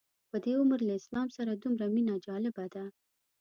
په دې عمر له اسلام سره دومره مینه جالبه ده.